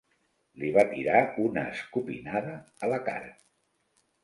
Li va tirar una escopinada a la cara.